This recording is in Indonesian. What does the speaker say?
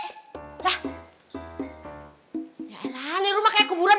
ya allah ini rumah kayak kuburan